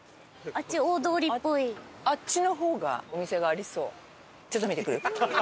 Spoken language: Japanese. あっちの方がお店がありそう。